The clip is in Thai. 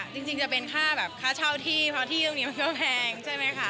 จริงจะเป็นค่าแบบค่าเช่าที่เพราะที่ตรงนี้มันก็แพงใช่ไหมคะ